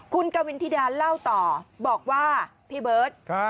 คุณกวินธิดาเล่าต่อบอกว่าพี่เบิร์ต